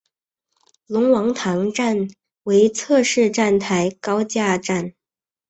龙王塘站为侧式站台高架站。